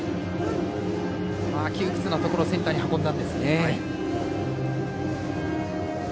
窮屈なところをセンターに運んだんですね。